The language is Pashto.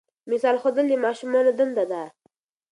مثال ښودل د ماشومانو دنده ده.